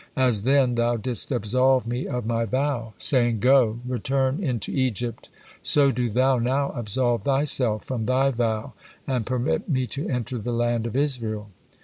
As then Thou didst absolve me of my vow, saying, 'Go, return into Egypt,' so do Thou now absolve Thyself from Thy vow, and permit me to enter the land of Israel."